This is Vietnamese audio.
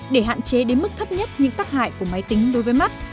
để hạn chế đến mức thấp nhất những tác hại của máy tính đối với mắt